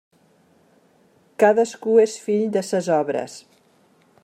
Cadascú és fill de ses obres.